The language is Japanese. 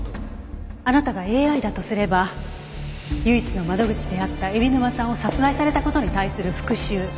あなたがＡＩだとすれば唯一の窓口であった海老沼さんを殺害された事に対する復讐。